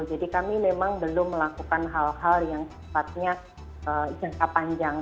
jadi kami memang belum melakukan hal hal yang sempatnya jangka panjang